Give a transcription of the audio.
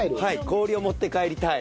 氷を持って帰りたい。